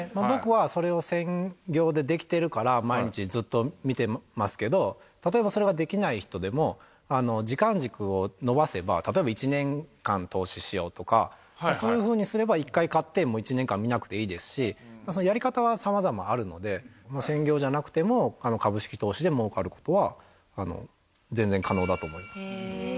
僕はそれを専業でできてるから、毎日ずっと見てますけど、例えばそれができない人でも、時間軸を伸ばせば、例えば、１年間投資しようとか、そういうふうにすれば１回勝って、もう１年間見なくていいですし、そのやり方はさまざまあるので、専業じゃなくても、株式投資でもうかることは全然可能だと思います。